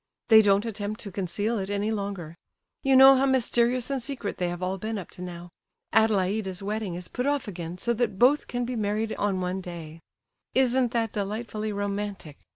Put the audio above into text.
They don't attempt to conceal it any longer; you know how mysterious and secret they have all been up to now. Adelaida's wedding is put off again, so that both can be married on one day. Isn't that delightfully romantic?